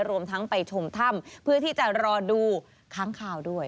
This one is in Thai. รวมทั้งไปชมถ้ำเพื่อที่จะรอดูค้างข่าวด้วย